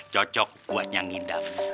cocok buat nyangindam